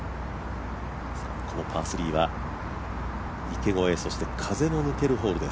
このパー３は、池越え、そして風も抜けるホールです。